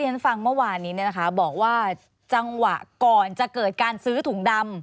ฉันฟังเมื่อวานนี้เนี่ยนะคะบอกว่าจังหวะก่อนจะเกิดการซื้อถุงดำ